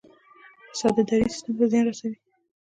فساد اداري سیستم ته څه زیان رسوي؟